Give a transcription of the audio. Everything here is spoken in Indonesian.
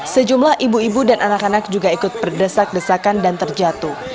sejumlah ibu ibu dan anak anak juga ikut berdesak desakan dan terjatuh